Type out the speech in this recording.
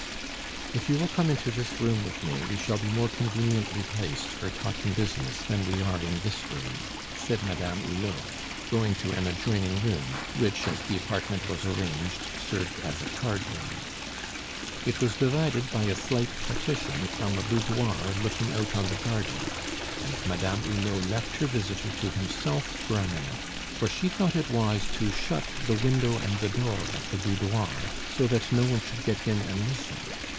"If you will come into this room with me, we shall be more conveniently placed for talking business than we are in this room," said Madame Hulot, going to an adjoining room, which, as the apartment was arranged, served as a cardroom. It was divided by a slight partition from a boudoir looking out on the garden, and Madame Hulot left her visitor to himself for a minute, for she thought it wise to shut the window and the door of the boudoir, so that no one should get in and listen.